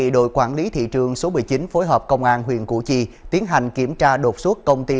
đội quản lý thị trường số một mươi chín phối hợp công an huyện củ chi tiến hành kiểm tra đột xuất công ty